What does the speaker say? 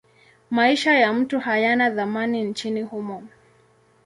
Maisha ya mtu hayana thamani nchini humo.